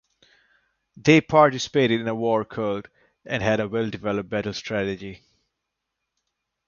They participated in a war cult and had a well-developed battle strategy.